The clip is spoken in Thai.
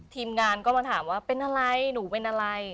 ทีมงานก็มาถามว่าเป็นอะไรหนูเป็นอะไร